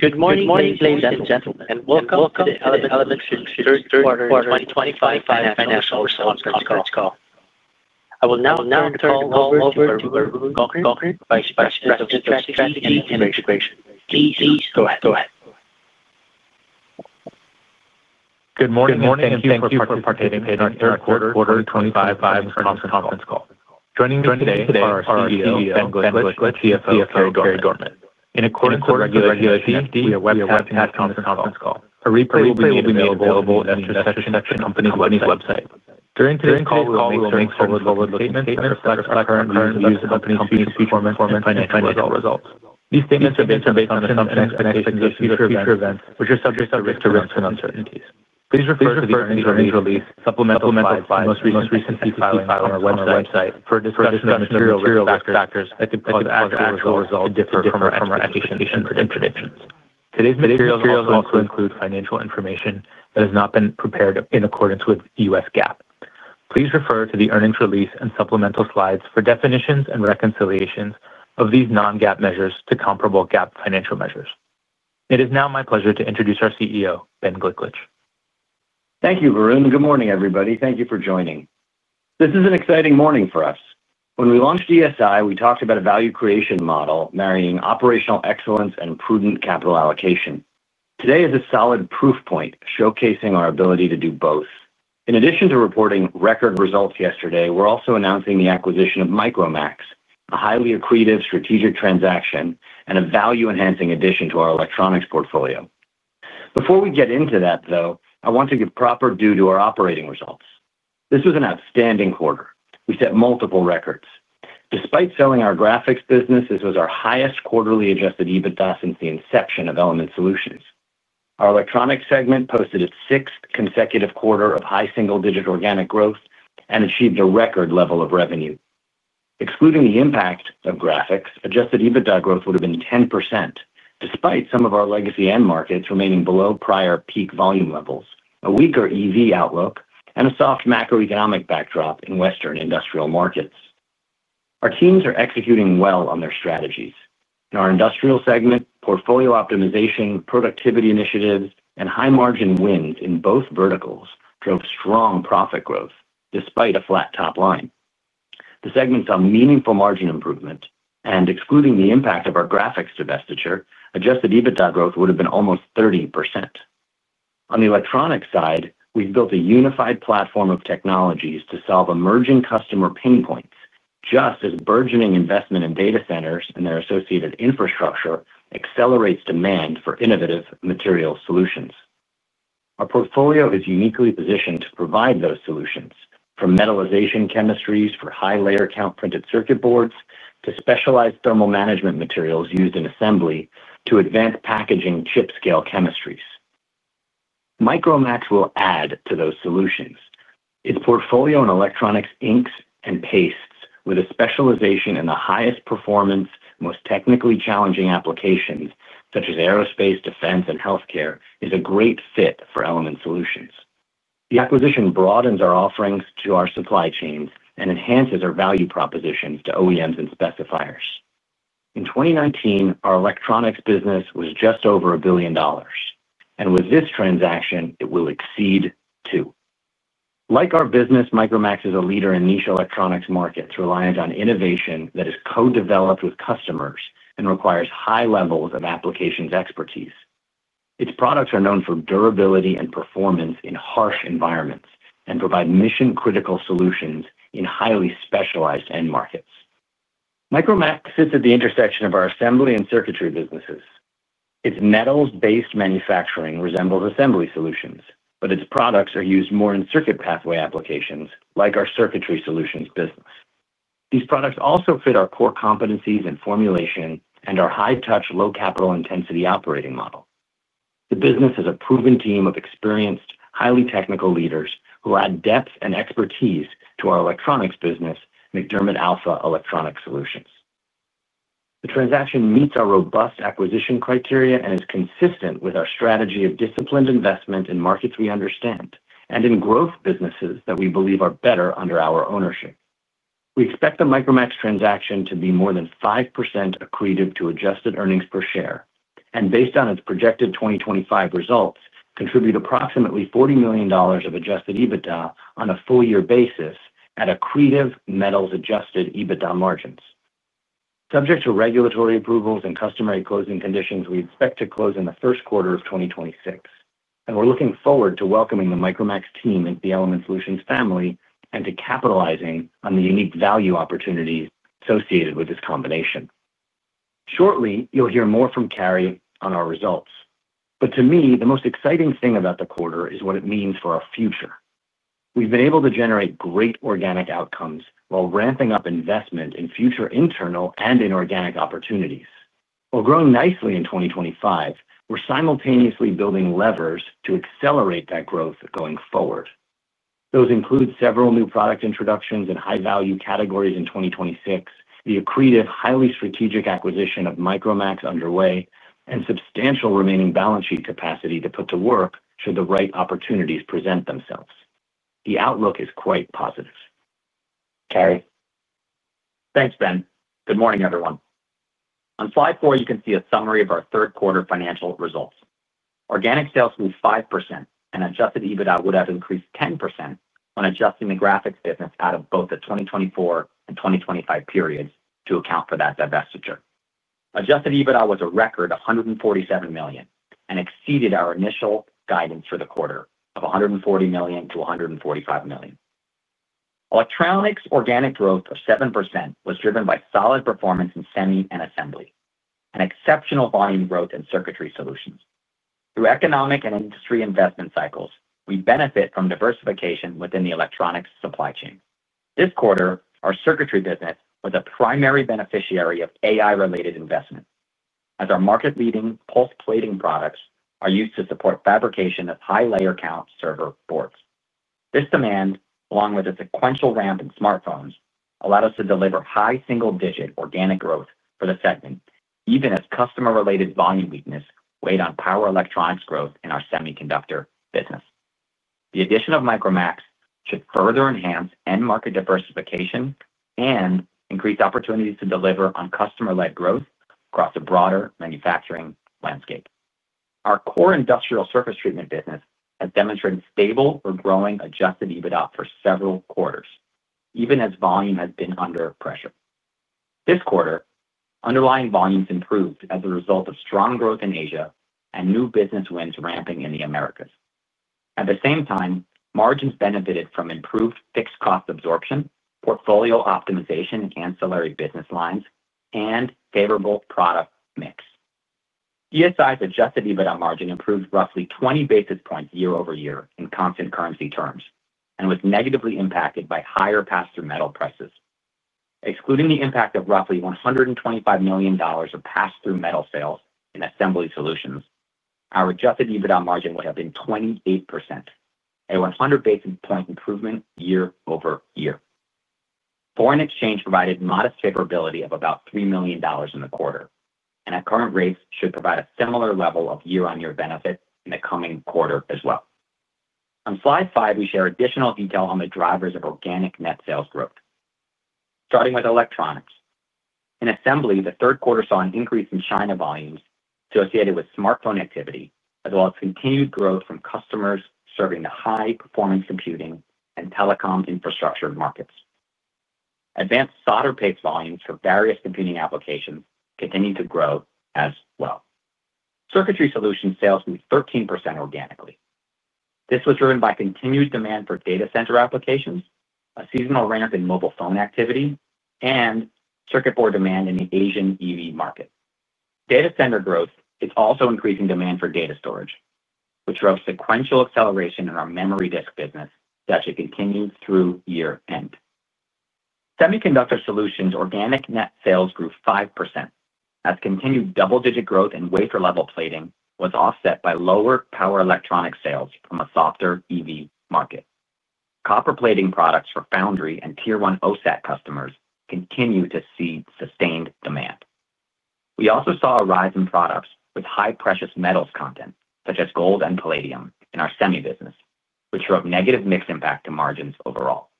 Good morning, ladies and gentlemen, and welcome to the Element Solutions Financial Response Conference Call. I will now turn the call over. Please, go ahead. Good morning. Quarter 25 Thomson conference call joining. In. call will be available on the company's website during today's call. Results, these statements. Are based on assumptions of future events which are subject to risks and uncertainties. Please refer to the earnings release supplemented by most recent filings on our website for material factors that could potential results. Differ from our expectations and predictions. Today's materials also include financial information. Has not been prepared in accordance with U.S. GAAP. Please refer to the earnings release and supplemental slides for definitions and reconciliations of these non-GAAP measures to comparable GAAP financial measures. It is now my pleasure to introduce our CEO Benjamin Gliklich. Thank you. Good morning everybody. Thank you for joining. This is an exciting morning for us. When we launched ESI, we talked about a value creation model marrying operational excellence and prudent capital allocation. Today is a solid proof point showcasing our ability to do both. In addition to reporting record results yesterday, we're also announcing the acquisition of Micromax, a highly accretive strategic transaction and a value enhancing addition to our electronics portfolio. Before we get into that though, I want to give proper due to our operating results. This was an outstanding quarter. We set multiple records despite selling our graphics business. This was our highest quarterly adjusted EBITDA since the inception of Element Solutions Inc. Our electronics segment posted its sixth consecutive quarter of high single digit organic growth and achieved a record level of revenue. Excluding the impact of graphics, adjusted EBITDA growth would have been 10%. Despite some of our legacy end markets remaining below prior peak volume levels, a weaker EV outlook and a soft macroeconomic backdrop in Western industrial markets, our teams are executing well on their strategies. In our industrial segment, portfolio optimization, productivity initiatives and high margin wins in both verticals drove strong profit growth. Despite a flat top line, the segment saw meaningful margin improvement and excluding the impact of our graphics divestiture, adjusted EBITDA growth would have been almost 30%. On the electronic side, we've built a unified platform of technologies to solve emerging customer pain points. Just as burgeoning investment in data centers and their associated infrastructure accelerates demand for innovative material solutions, our portfolio is uniquely positioned to provide those solutions. From metallization chemistries for high-,layer count printed circuit boards to specialized thermal management materials used in assembly to advanced packaging chip-scale chemistries, Micromax will add to those solutions its portfolio in electronics inks and pastes. With a specialization in the highest performance, most technically challenging applications such as aerospace, defense and healthcare, it is a great fit for Element Solutions Inc. The acquisition broadens our offerings to our supply chains and enhances our value propositions to OEMs and specifiers. In 2019, our electronics business was just over $1 billion and with this transaction it will exceed $2 billion. Like our business, Micromax is a leader in niche electronics markets reliant on innovation that is co-developed with customers and requires high levels of applications expertise. Its products are known for durability and performance in harsh environments and provide mission-critical solutions in highly specialized end markets. Micromax sits at the intersection of our assembly and circuitry businesses. Its metals-based manufacturing resembles assembly solutions, but its products are used more in circuit pathway applications. Like our circuitry solutions business, these products also fit our core competencies in formulation and our high-touch, low capital intensity operating model. The business has a proven team of experienced, highly technical leaders who add depth and expertise to our electronics business. The transaction meets our robust acquisition criteria and is consistent with our strategy of disciplined investment in markets we understand and in growth businesses that we believe are better under our ownership. We expect the Micromax transaction to be more than 5% accretive to adjusted EPS and, based on its projected 2025 results, contribute approximately $40 million of adjusted EBITDA on a full-year basis. Adjusted EBITDA margins are subject to regulatory approvals and customary closing conditions. We expect to close in the first quarter of 2026, and we're looking forward to welcoming the Micromax team into the Element Solutions family and to capitalizing on the unique value opportunities associated with this combination. Shortly you'll hear more from Carey on our results, but to me the most exciting thing about the quarter is what it means for our future. We've been able to generate great organic outcomes while ramping up investment in future internal and inorganic opportunities. While growing nicely in 2025, we're simultaneously building levers to accelerate that growth going forward. Those include several new product introductions in high-value categories in 2026, the accretive, highly strategic acquisition of Micromax underway, and substantial remaining balance sheet capacity to put to work should the right opportunities present themselves. The outlook is quite positive. Carey, thanks Ben. Good morning everyone. On slide 4, you can see a summary of our third quarter financial results. Organic sales grew 5%, and adjusted EBITDA would have increased 10% when adjusting the graphics business out of both the 2024 and 2025 periods to account for that divestiture. Adjusted EBITDA was a record $147 million and exceeded our initial guidance for the quarter of $140 million to $145 million. Electronics organic growth of 7% was driven by solid performance in semi and assembly and exceptional volume growth in circuitry solutions through economic and industry investment cycles. We benefit from diversification within the electronics supply chain. This quarter our circuitry business was a. Primary beneficiary of AI related investment as our market leading pulse plating products are used to support fabrication of high layer count server boards. This demand, along with a sequential ramp in smartphones, allowed us to deliver high single digit organic growth for the segment even as customer related volume weakness weighed on power electronics growth in our semiconductor business. The addition of Micromax should further enhance end market diversification and increased opportunities to deliver on customer led growth across a broader manufacturing landscape. Our core industrial surface treatment business has demonstrated stable or growing adjusted EBITDA for several quarters even as volume has been under pressure this quarter. Underlying volumes improved as a result of strong growth in Asia and new business wins ramping in the Americas. At the same time, margins benefited from improved fixed cost absorption, portfolio optimization and ancillary business lines, and favorable product mix. ESI's adjusted EBITDA margin improved roughly 20 basis points year over year in constant currency terms and was negatively impacted by higher pass through metal prices. Excluding the impact of roughly $125 million of pass through metal sales in assembly solutions, our adjusted EBITDA margin would have been 28%, a 100 basis point improvement year over year. Foreign exchange provided modest favorability of about $3 million in the quarter and at current rates should provide a similar level of year on year benefit in the coming quarter as well. On Slide 5, we share additional detail on the drivers of organic net sales growth starting with electronics in assembly. The third quarter saw an increase in China volumes associated with smartphone activity as well as continued growth from customers serving the high performance computing and telecom infrastructure markets. Advanced solder paste volumes for various computing applications continue to grow as well. Circuitry solutions sales grew 13% organically. This was driven by continued demand for data center applications, a seasonal ramp in mobile phone activity, and circuit board demand in the Asian EV market. Data center growth is also increasing demand for data storage, which drove sequential acceleration in our memory disk business that should continue through year end. Semiconductor solutions organic net sales grew 5% as continued double-digit growth in wafer-level plating was offset by lower power electronics sales from a softer evolution market. Copper plating products for foundry and tier 1 OSAT customers continue to see sustained demand. We also saw a rise in products with high precious metals content such as gold and palladium in our semi business, which drove negative mix impact to margins overall.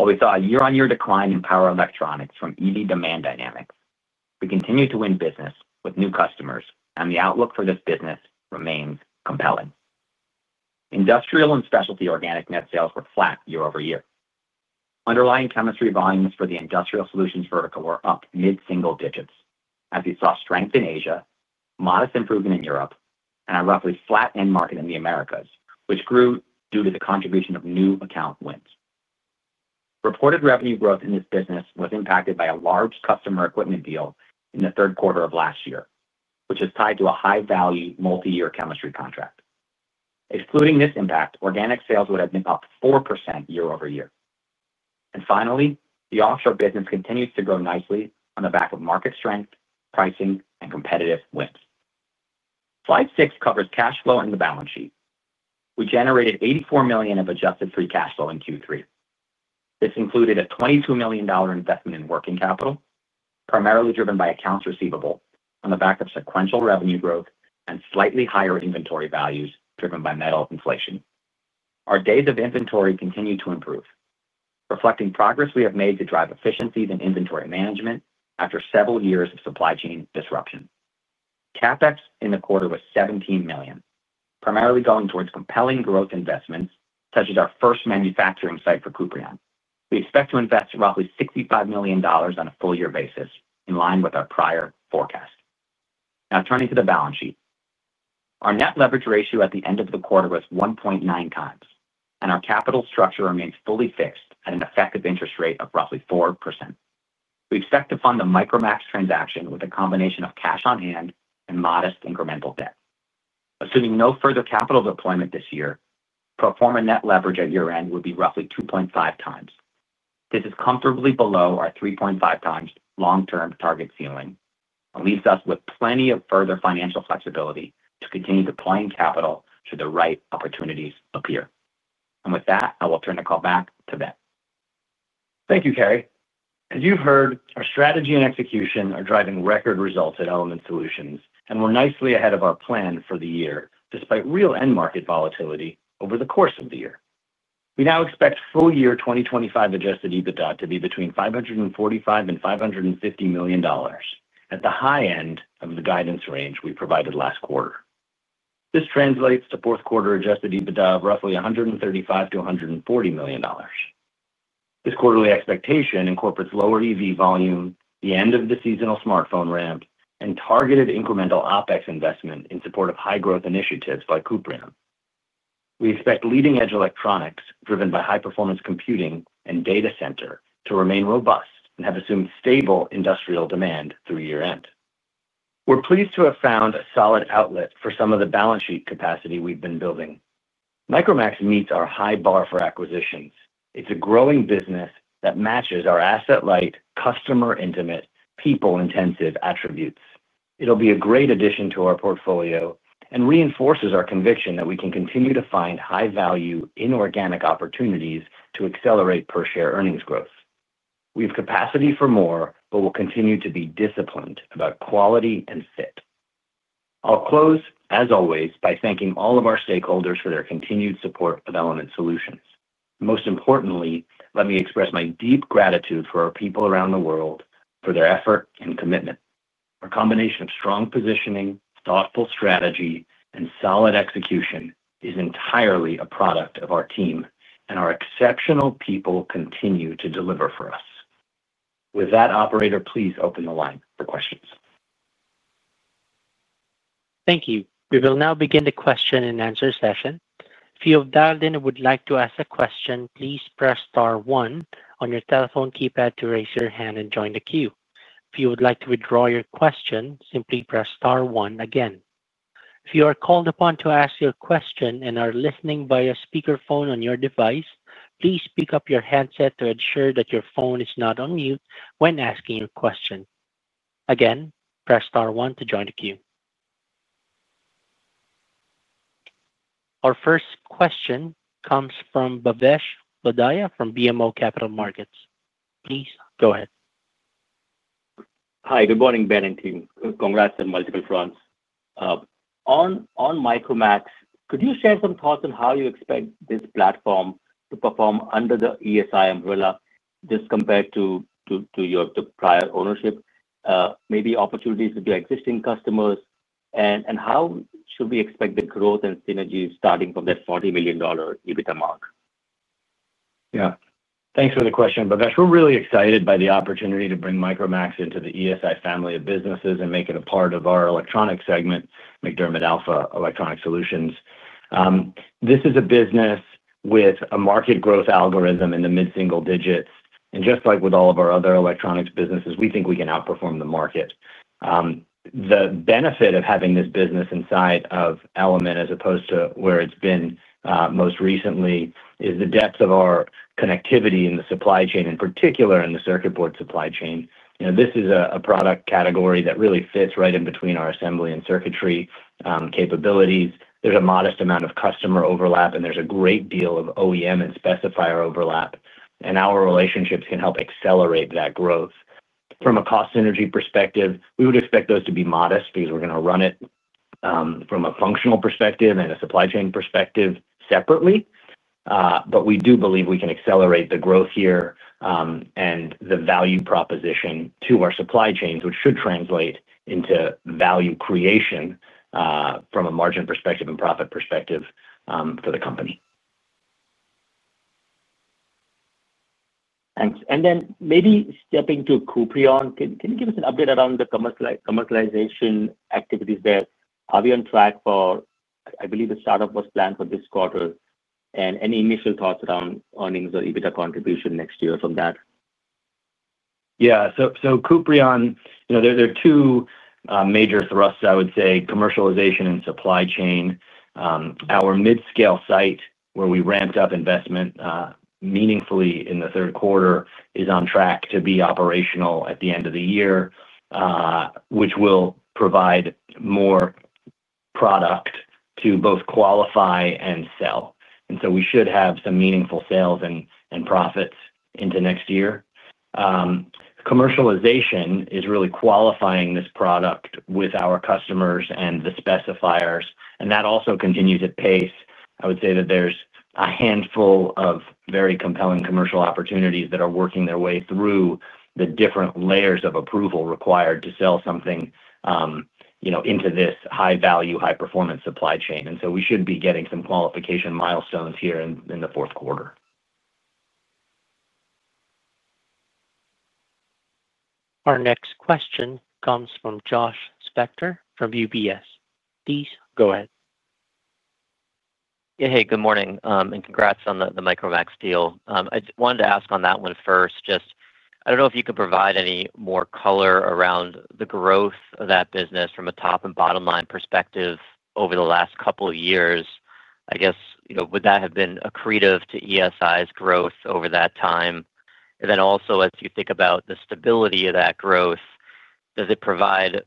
While we saw a year-on-year decline in power electronics from EV demand dynamics, we continue to win business with new customers and the outlook for this business remains compelling. Industrial and specialty organic net sales were flat year over year. Underlying chemistry volumes for the industrial solutions vertical were up mid-single digits as we saw strength in Asia, modest improvement in Europe, and a roughly flat end market in the Americas, which grew due to the contribution of new account wins. Reported revenue growth in this business was impacted by a large customer equipment deal in the third quarter of last year, which is tied to a high-value multi-year chemistry contract. Excluding this impact, organic sales would have been up 4% year over year. The offshore business continues to grow nicely on the back of market strength, pricing, and competitive wins. Slide 6 covers cash flow and the balance sheet. We generated $84 million of adjusted free cash flow in Q3. This included a $22 million investment in working capital, primarily driven by accounts receivable on the back of sequential revenue growth and slightly higher inventory values driven by metal inflation. Our days of inventory continue to improve, reflecting progress we have made to drive efficiencies in inventory management. After several years of supply chain disruption, CapEx in the quarter was $17 million, primarily going towards compelling growth investments such as our first manufacturing site for Kouprion. We expect to invest roughly $65 million on a full-year basis in line with our prior forecast. Now turning to the balance sheet, our net leverage ratio at the end of the quarter was 1.9 times and our capital structure remains fully fixed at an effective interest rate of roughly 4%. We expect to fund the Micromax transaction with a combination of cash on hand and modest incremental debt. Assuming no further capital deployment this year, pro forma net leverage at year end would be roughly 2.5 times. This is comfortably below our 3.5 times long-term target ceiling, which leaves us with plenty of further financial flexibility to continue deploying capital should the right opportunities appear. With that, I will turn the call back to Ben. Thank you, Carey. As you've heard, our strategy and execution are driving record results at Element Solutions, and we're nicely ahead of our plan for the year. Despite real end market volatility over the. Course of the year, we now expect. Full year 2025 adjusted EBITDA to be between $545 and $550 million at the high end of the guidance range we provided last quarter. This translates to fourth quarter adjusted EBITDA of roughly $135-$140 million. This quarterly expectation incorporates lower EV volume, the end of the seasonal smartphone ramp, and targeted incremental OpEx investment in support of high growth initiatives by Kouprion. We expect leading edge electronics driven by high-performance computing and data centers to remain robust and have assumed stable industrial demand through year end. We're pleased to have found a solid outlet for some of the balance sheet capacity we've been building. Micromax meets our high bar for acquisitions. It's a growing business that matches our asset-light, customer-intimate, people-intensive attributes. It'll be a great addition to our portfolio and reinforces our conviction that we can continue to find high value inorganic opportunities to accelerate per share earnings growth. We have capacity for more but will continue to be disciplined about quality and fit. I'll close, as always, by thanking all of our stakeholders for their continued support of Element Solutions. Most importantly, let me express my deep gratitude for our people around the world. For their effort and commitment. Our combination of strong positioning, thoughtful strategy, and solid execution is entirely a product of our team, and our exceptional people continue to deliver for us. With that, Operator, please open the line for questions. Thank you. We will now begin the question and answer session. If you have dialed in and would like to ask a question, please press Star one on your telephone keypad to raise your hand and join the queue. If you would like to withdraw your question, simply press Star one again. If you are called upon to ask your question and are listening via speakerphone on your device, please pick up your headset to ensure that your phone is not on mute. When asking your question, again, press Star one to join the queue. Our first question comes from Bhavesh Lodaya from BMO Capital Markets. Please go ahead. Hi, good morning Ben and team. Congrats on multiple fronts on Micromax. Could you share some thoughts on how you expect this platform to perform under the Element Solutions Inc umbrella just compared to prior ownership? Maybe opportunities with your existing customers? How should we expect the growth and synergies starting from that $40 million EBITDA mark? Yeah, thanks for the question Bhavesh. We're really excited by the opportunity to bring Micromax into the Element Solutions Inc family of businesses and make it a part of our electronic segment, MacDermid Alpha Electronic Solutions. This is a business with a market growth algorithm in the mid single digits and just like with all of our other electronics businesses, we think we can outperform the market. The benefit of having this business inside of Element Solutions Inc as opposed to where it's been most recently is the depth of our connectivity in the supply chain, in particular in the circuit board supply chain. This is a product category that really fits right in between our assembly and circuitry capabilities. There's a modest amount of customer overlap and there's a great deal of OEM and specifier overlap and our relationships can help accelerate that growth. From a cost synergy perspective, we would expect those to be modest because we're going to run it from a functional perspective and a supply chain perspective separately. We do believe we can accelerate the growth here and the value proposition to our supply chains, which should translate into value creation from a margin perspective and profit perspective for the company. Thanks. Maybe stepping to Kouprion, can you give us an update around the commercialization activities there? Are we on track for, I believe. The startup was planned for this quarter. Any initial thoughts around earnings or EBITDA contribution next year from that? Yeah, so Kouprion, you know, there are two major thrusts, I would say, commercialization and supply chain. Our mid-scale site where we ramped up investment meaningfully in the third quarter is on track to be operational at the end of the year, which will provide more product to both qualify and sell, and we should have some meaningful sales and profits into next year. Commercialization is really qualifying this product with our customers and the specifiers, and that also continues at pace. I would say that there's a handful of very compelling commercial opportunities that are working their way through the different layers of approval required to sell something into this high-value, high-performance supply chain. We should be getting some qualification milestones here in the fourth quarter. Our next question comes from Josh Spector from UBS. Please go ahead. Hey, good morning and congrats on the Micromax deal. I wanted to ask on that one first. I don't know if you could provide any more color around the growth of that business from a top and bottom line perspective over the last couple of years, I guess. Would that have been accretive to ESI's growth over that time? Also, as you think about the stability of that growth, does it provide,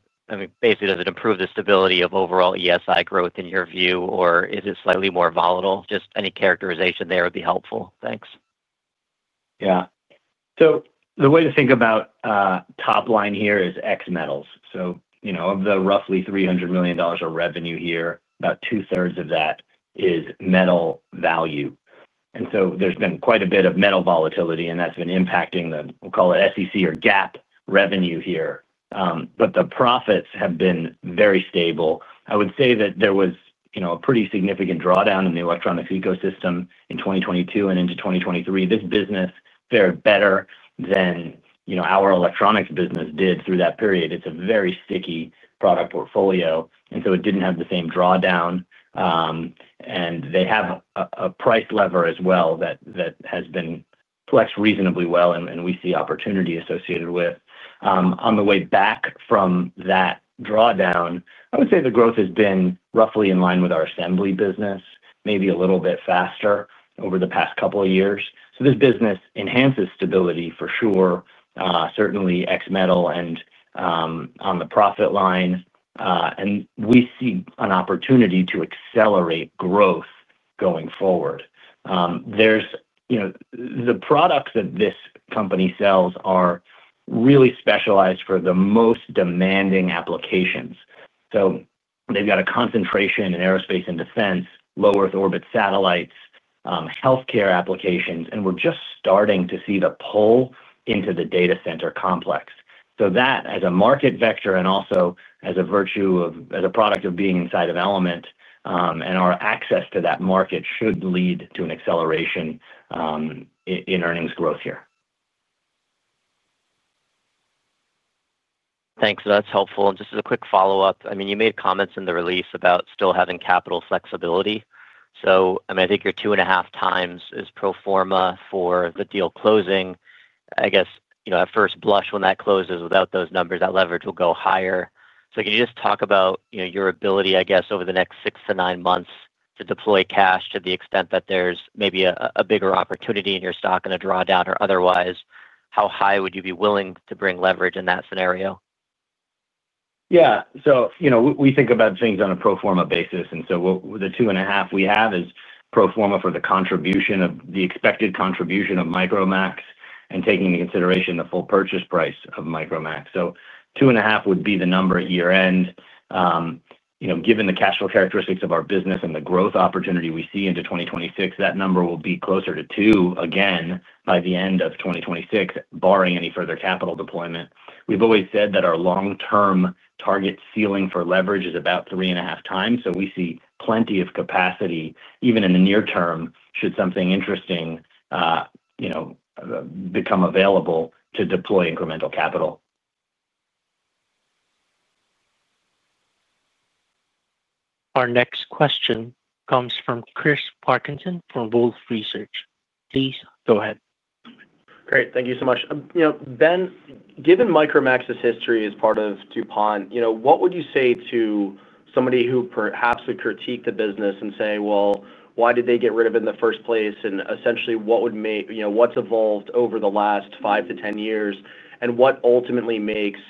basically, does it improve the stability of overall ESI growth in your view, or is it slightly more volatile? Any characterization there would be helpful, thanks. Yeah. The way to think about top line here is X Metals. Of the roughly $300 million of revenue here, about two thirds of that is metal value. There has been quite a bit of metal volatility and that's been impacting the, we'll call it SEC or GAAP revenue here. The profits have been very stable. I would say that there was a pretty significant drawdown in the electronics ecosystem. In 2022 and into 2023, this business fared better than our electronics business did through that period. It's a very sticky product portfolio, so it didn't have the same drawdown. They have a price lever as well that has been flexed reasonably well. We see opportunity associated with, on the way back from that drawdown. I would say the growth has been roughly in line with our assembly business, maybe a little bit faster over the past couple of years. This business enhances stability for sure, certainly X Metal and on the profit line. We see an opportunity to accelerate growth going forward. The products that this company sells are really specialized for the most demanding applications. They've got a concentration in aerospace and defense, low earth orbit satellites, healthcare applications. We're just starting to see the pull into the data center complex. That as a market vector and also as a virtue of being inside of Element Solutions Inc and our access to that market should lead to an acceleration in earnings growth. Thanks, that's helpful. Just as a quick follow-up, you made comments in the release about still having capital flexibility. I think your 2.5 times is pro forma for the deal closing. I guess at first blush when that closes without those numbers, that leverage will go higher. Can you talk about your ability over the next six to nine months to deploy cash to the extent that there's maybe a bigger opportunity in your stock and a drawdown or otherwise, how high would you be willing to bring leverage in that scenario? Yeah, we think about things on a pro forma basis. The 2.5 we have is pro forma for the expected contribution of Micromax and taking into consideration the full purchase price of Micromax. 2.5 would be the number at year end. Given the cash flow characteristics of our business and the growth opportunity we see into 2026, that number will be closer to 2 again by the end of 2026, barring any further capital deployment. We've always said that our long-term target ceiling for leverage is about 3.5 times. We see plenty of capacity even in the near term should something interesting become available to deploy incremental capital. Our next question comes from Chris Parkinson from Wolfe Research. Please go ahead. Great. Thank you so much, Ben. Given Micromax's history as part of DuPont, what would you say to somebody who perhaps would critique the business and say, why did they get rid of it in the first place? Essentially, what's evolved over the last five to 10 years and what ultimately makes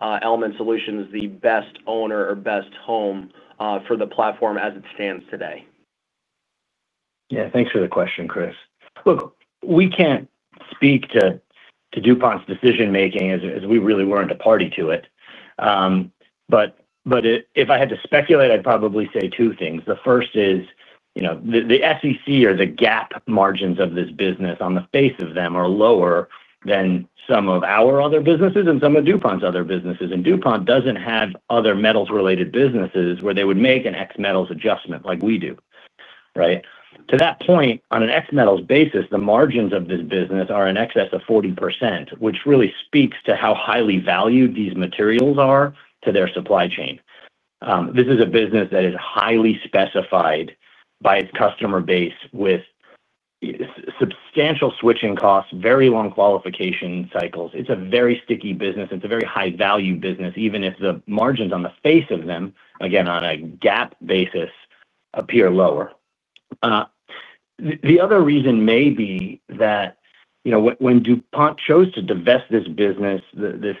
Element Solutions the best owner or best home for the platform as it stands today? Yeah, thanks for the question, Chris. Look, we can't speak to DuPont's decision making as we really weren't a party to it. If I had to speculate, I'd probably say two things. The first is the SEC or the GAAP margins of this business, on the face of them, are lower than some of our other businesses and some of DuPont's other businesses. DuPont doesn't have other metals related businesses where they would make an ex-metals adjustment like we do. To that point, on an ex-metals basis, the margins of this business are in excess of 40%, which really speaks to how highly valued these materials are to their supply chain. This is a business that is highly specified by its customer base, with substantial switching costs and very long qualification cycles. It's a very sticky business. It's a very high value business, even if the margins on the face of them, again on a GAAP basis, appear lower. The other reason may be that when DuPont chose to divest this business, the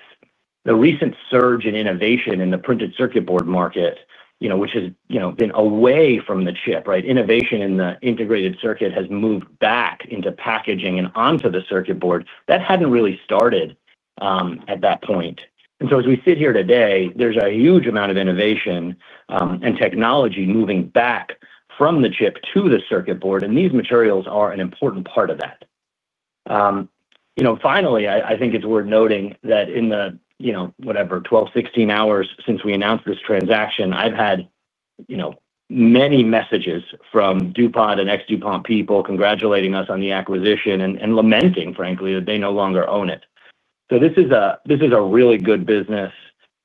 recent surge in innovation in the printed circuit board market, which has been away from the chip, innovation in the integrated circuit has moved back into packaging and onto the circuit board. That hadn't really started at that point. As we sit here today, there's a huge amount of innovation and technology moving back from the chip to the circuit board, and these materials are an important part of that. Finally, I think it's worth noting that in the 12 to 16 hours since we announced this transaction, I've had many messages from DuPont and ex-DuPont people congratulating us on the acquisition and lamenting, frankly, that they no longer own it. This is a really good business.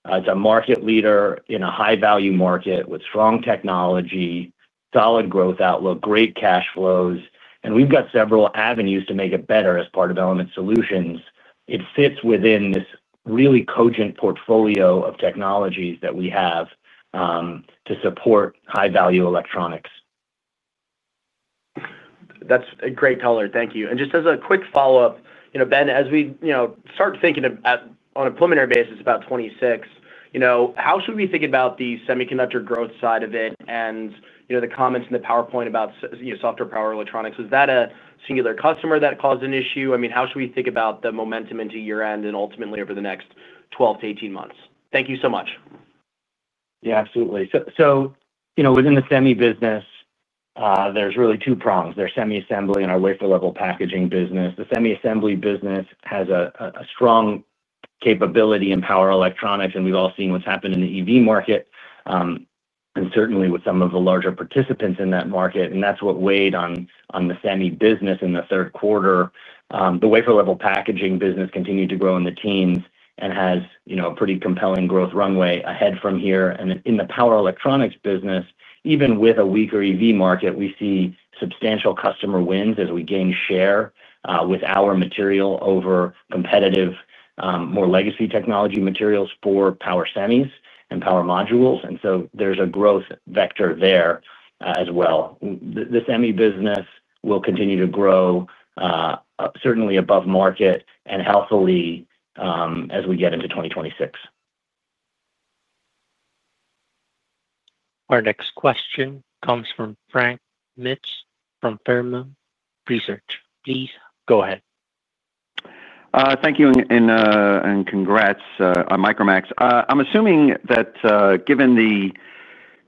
It's a market leader in a high value market with strong technology, solid growth outlook, great cash flows, and we've got several avenues to make it better. As part of Element Solutions, it sits within this really cogent portfolio of technologies that we have to support high value electronics. That's a great color. Thank you. Just as a quick follow up, you know, Ben, as we start thinking on a preliminary basis about 2026, how should we think about the semiconductor growth side of it? The comments in the PowerPoint about software, power electronics, is that a singular customer that caused an issue? How should we think about the momentum into year end and ultimately over the next 12-18 months? Thank you so much. Yeah, absolutely. Within the semi business, there's really two prongs. There's semi assembly and our wafer-level packaging business. The semi assembly business has a strong capability in power electronics. We've all seen what's happened in the EV market and certainly with some of the larger participants in that market. That's what weighed on the semi business in the third quarter. The wafer-level packaging business continued to grow in the teens and has a pretty compelling growth runway ahead from here. In the power electronics business, even with a weaker EV market, we see substantial customer wins as we gain share with our material over competitive, more legacy technology materials for power semis and power modules. There's a growth vector there as well. The semi business will continue to grow certainly above market and healthily as we get into 2026. Our next question comes from Frank Mitsch from Fermium Research. Please go ahead. Thank you. And congrats on Micromax. I'm assuming that given the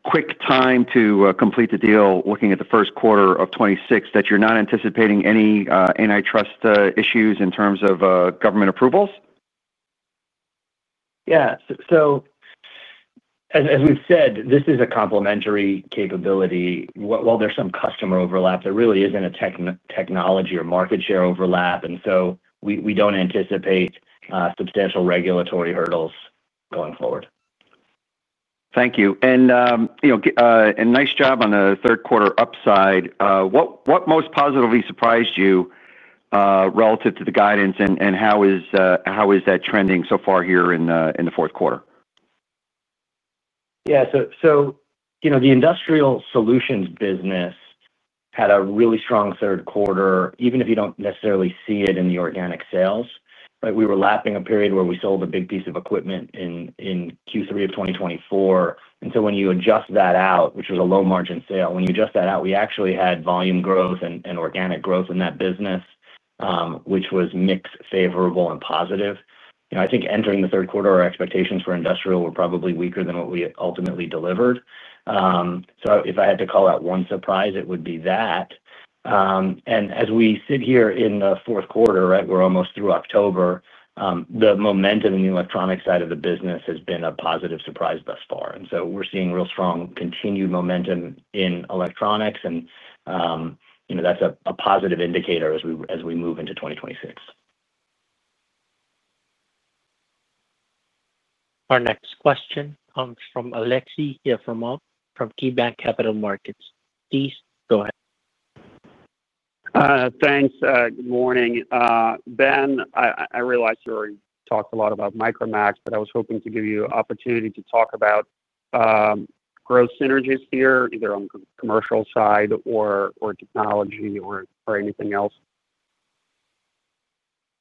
quick time to complete the deal, looking at first quarter of 2026, that you're not anticipating any antitrust issues in terms of government approvals? Yeah, as we've said, this is a complementary capability. While there's some customer overlap, there really isn't a technology or market share overlap. We don't anticipate substantial regulatory hurdles going forward. Thank you. And nice job on the third quarter upside. What most positively surprised you relative to the guidance and how is that trending so far here in the fourth quarter? Yeah, the industrial solutions business had a really strong third quarter. Even if you don't necessarily see it in the organic sales, we were lapping a period where we sold a big piece of equipment in Q3 of 2024. When you adjust that out, which was a low margin sale, we actually had volume growth and organic growth in that business, which was mix favorable and positive. I think entering the third quarter, our expectations for industrial were probably weaker than what we ultimately delivered. If I had to call out one surprise, it would be that. As we sit here in the fourth quarter, we're almost through October, the momentum in the electronics side of the business has been a positive surprise thus far. We're seeing real strong continued momentum in electronics, and that's a positive indicator as we move into 2026. Our next question comes from Alexi Misconish from KeyBanc Capital Markets. Please go ahead. Thanks. Good morning, Ben. I realized you already talked a lot about Micromax, but I was hoping to give you opportunity to talk about growth synergies here, either on commercial side or technology or anything else.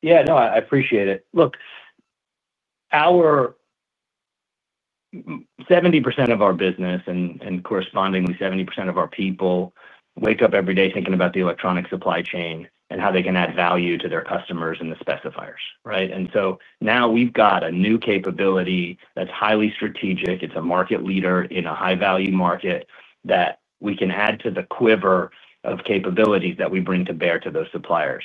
Yeah, no, I appreciate it. Look, 70% of our business and correspondingly 70% of our people wake up every day thinking about the electronic supply chain and how they can add value to their customers and the specifiers. Right. We have a new capability that's highly strategic. It's a market leader in a high value market that we can add to the quiver of capabilities that we bring to bear to those suppliers.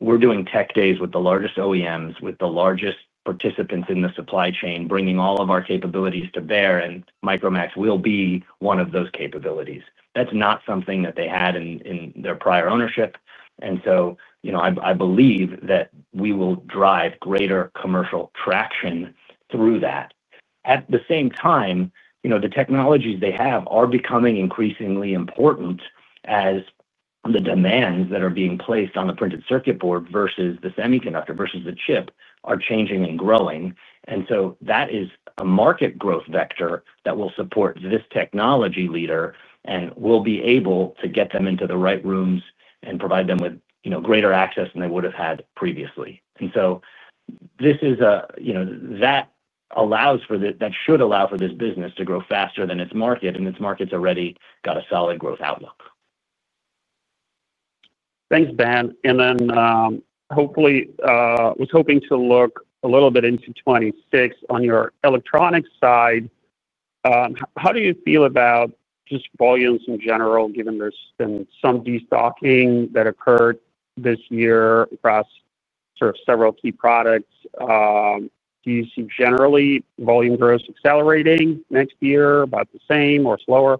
We're doing tech days with the largest OEMs, with the largest participants in the supply chain, bringing all of our capabilities to bear. Micromax will be one of those capabilities. That's not something that they had in their prior ownership. I believe that we will drive greater commercial traction through that. At the same time, the technologies they have are becoming increasingly important as the demands that are being placed on the printed circuit board versus the semiconductor versus the chip are changing and growing. That is a market growth vector that will support this technology leader and we'll be able to get them into the right rooms and provide them with greater access than they would have had previously. This allows for, that should allow for this business to grow faster than its market and its market's already got a solid growth outlook. Thanks, Ben. Hopefully was hoping to look a little bit into 2026. On your electronic side, how do you feel about just volumes in general? Given there's been some destocking that occurred this year across several key products, do you see generally volume growth accelerating next year, about the same, or slower?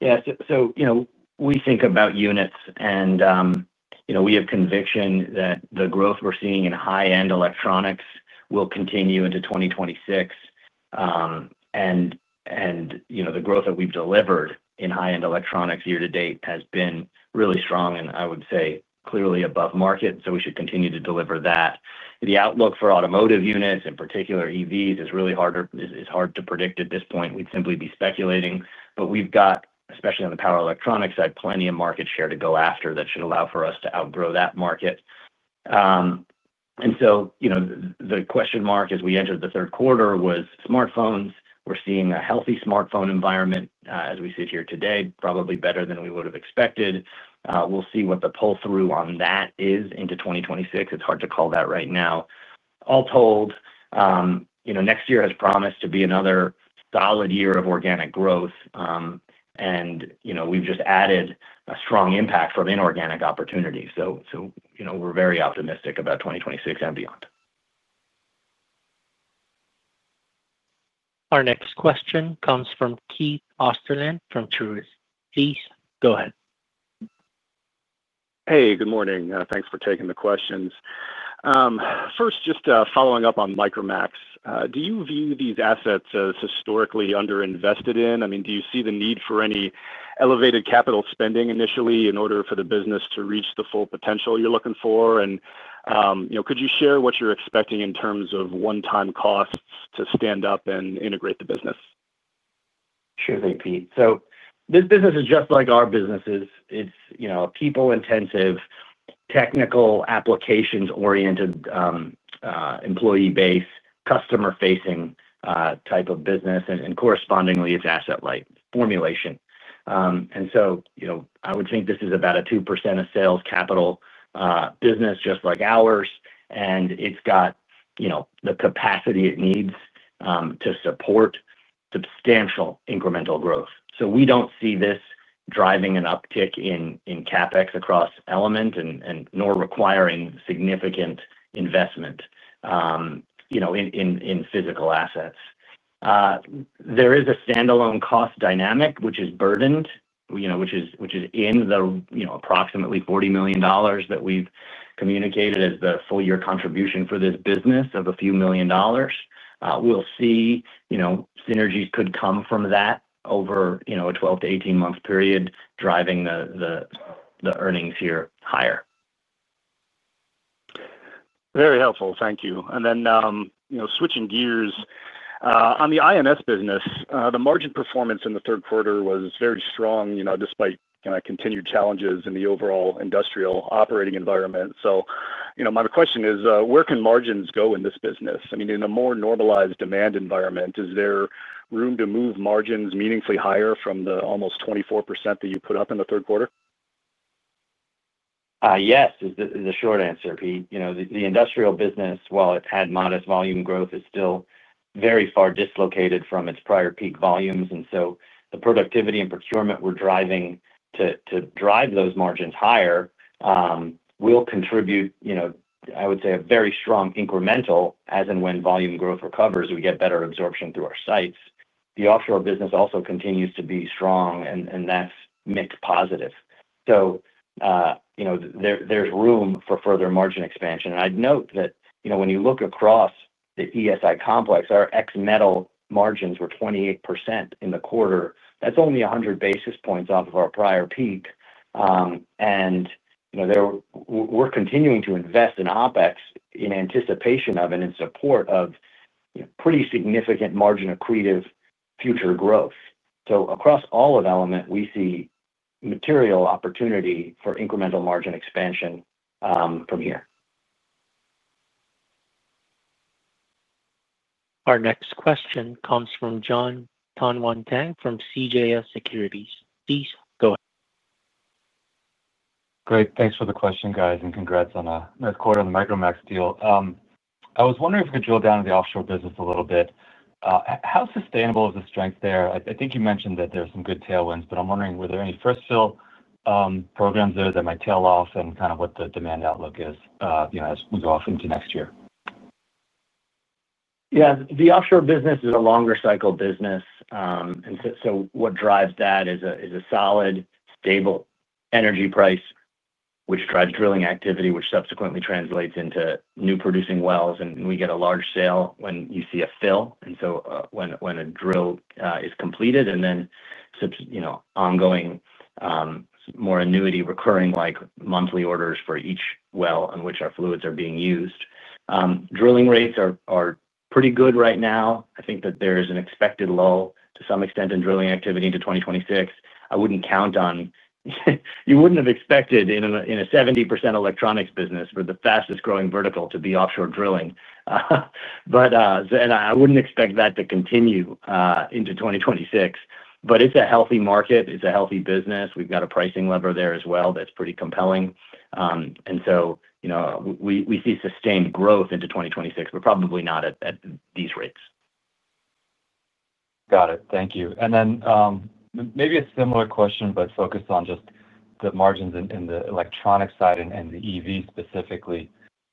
Yes. So, you know, we think about units and, you know, we have conviction that the growth we're seeing in high end electronics will continue into 2026. The growth that we've delivered in high end electronics year to date has been really strong, and I would say clearly above market, so we should continue to deliver that. The outlook for automotive units, in particular EVs, is really hard to predict at this point. We'd simply be speculating. We've got, especially on the power electronics side, plenty of market share to go after that should allow for us to outgrow that market. The question mark as we entered the third quarter was smartphones. We're seeing a healthy smartphone environment as we sit here today, probably better than we would have expected. We'll see what the pull through on that is into 2026. It's hard to call that right now. All told, next year has promise to be another solid year of organic growth, and, you know, we've just added a strong impact from inorganic opportunities. You know, we're very optimistic about 2026 and beyond. Our next question comes from Pete Osterland from Truist. Please go ahead. Hey, good morning. Thanks for taking the questions first. Just following up on Micromax. Do you view these assets as historically underinvested in? Do you see the need for any elevated capital spending initially in order for the business to reach the full potential you're looking for? Could you share what you're expecting in terms of one-time costs to stand up and integrate the business? Surely, Pete. This business is just like our businesses. It's a people-intensive, technical, applications-oriented, employee base, customer-facing type of business, and correspondingly it's asset-light formulation. I would think this is about a 2% of sales capital business just like ours, and it's got the capacity it needs to support substantial incremental growth. We don't see this driving an uptick in CapEx across Element Solutions Inc nor requiring significant investment in physical assets. There is a standalone cost dynamic which is burdened, which is in the approximately $40 million that we've communicated as the full-year contribution for this business of a few million dollars. We'll see synergies could come from that over a 12-18 month period driving the earnings here higher. Very helpful, thank you. Switching gears on the industrial solutions business, the margin performance in the third quarter was very strong despite continued challenges in the overall industrial operating environment. My question is where can margins go in this business? In a more normalized demand environment, is there room to move margins meaningfully higher from the almost 24% that you put up in the third quarter? Yes, is the short answer, Pete. The industrial business, while it had modest volume growth, is still very far dislocated from its prior peak volumes. The productivity and procurement we're driving to drive those margins higher will contribute, I would say, a very strong incremental. As and when volume growth recovers, we get better absorption through our sites. The offshore business also continues to be strong and that's mix positive. There's room for further margin expansion. I'd note that when you look across the Element Solutions Inc complex, our electronics metal margins were 28% in the quarter. That's only 100 basis points off of our prior peak. We're continuing to invest in OpEx in anticipation of and in support of pretty significant margin accretive future growth. Across all of Element Solutions Inc we see material opportunity for incremental margin expansion from here. Our next question comes from John Tanwanteng from CJS Securities. Steve, go ahead. Great, thanks for the question guys and congrats on a nice quarter on the Micromax deal. I was wondering if you could drill down to the offshore business a little bit. How sustainable is the strength there? I think you mentioned that there are some good tailwinds, but I'm wondering were there any first fill programs there that might tail off and kind of what the demand outlook is as we go. Off into next year? Yeah, the offshore business is a longer cycle business. What drives that is a solid, stable energy price, which drives drilling activity, which subsequently translates into new producing wells. We get a large sale when you see a fill. When a drill is completed, there are ongoing, more annuity recurring, like monthly orders for each well in which our fluids are being used. Drilling rates are pretty good right now. I think that there is an expected low to some extent in drilling activity into 2026. I wouldn't count on it. You wouldn't have expected in a 70% electronics business for the fastest growing vertical to be offshore drilling. I wouldn't expect that to continue into 2026, but it's a healthy market, it's a healthy business. We've got a pricing lever there as well that's pretty compelling. We see sustained growth into 2026. We're probably not at these rigs. Got it, thank you. Maybe a similar question but focused on just the margins in the electronic side and the EV specifically.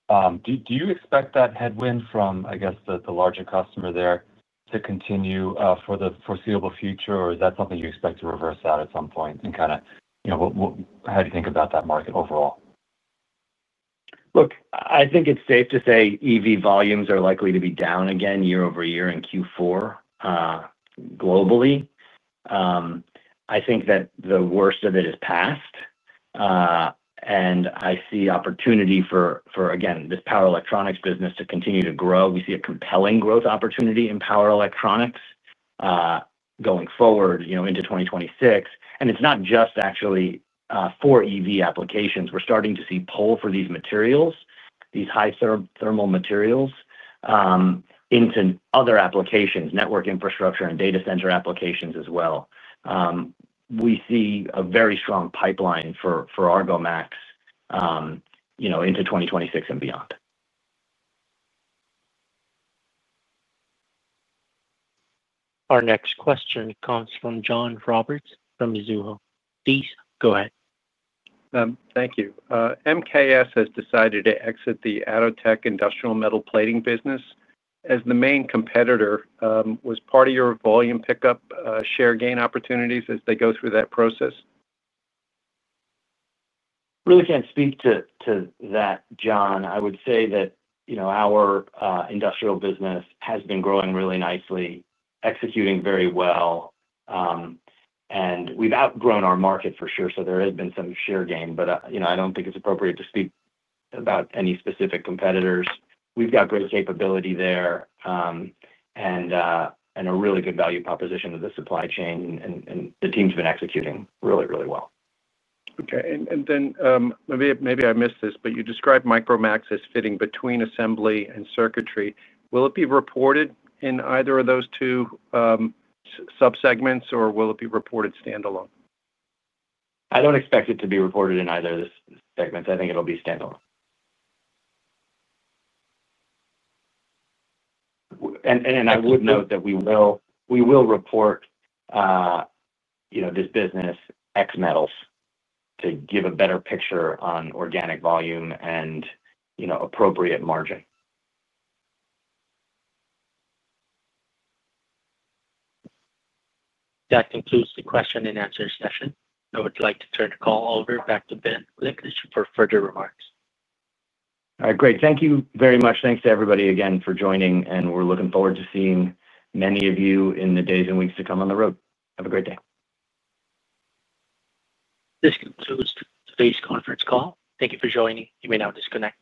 Do you expect that headwind from, I guess, the larger customer there to continue for the foreseeable future, or is that something you expect to reverse out at some point? How do you think. About that market overall? Look, I think it's safe to say EV volumes are likely to be down again year over year in Q4 globally. I think that the worst of it is past, and I see opportunity for again this power electronics business to continue to grow. We see a compelling growth opportunity in power electronics going forward into 2026. It's not just actually for EV applications. We're starting to see pull for these materials, these high thermal materials into other applications, network infrastructure and data center applications as well. We see a very strong pipeline for ArgoMax into 2026 and beyond. Our next question comes from John Roberts from Mizuho. Please go ahead. Thank you. MKS has decided to exit the Atotech industrial metal plating business as the main competitor. Was part of your volume pickup share gain opportunities as they go through that process? Really can't speak to that, John. I would say that our industrial business has been growing really nicely, executing very well, and we've outgrown our market for sure. There has been some share gain. I don't think it's appropriate to speak about any specific competitors. We've got great capability there and a really good value proposition of the supply chain, and the team's been executing really, really well. Okay, and then maybe I missed this, but you described Micromax as fitting between assembly and circuitry. Will it be reported in either of those two subsegments or will it be reported standalone? I don't expect it to be reported in either of the segments. I think it'll be standalone. I would note that we will report this Business X Metals to give a better picture on organic volume and appropriate margin. That concludes the question and answer session. I would like to turn the call. Over back to Benjamin Gliklich for further remarks. All right, great. Thank you very much. Thanks to everybody again for joining, and we're looking forward to seeing many of you in the days and weeks to come on the road. Have a great day. This concludes today's conference call. Thank you for joining. You may now disconnect.